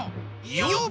よっ！